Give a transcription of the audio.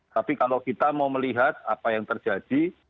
tapi kalau kita mau melihat apa yang terjadi